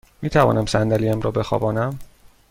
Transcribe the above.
می توانم صندلی ام را بخوابانم؟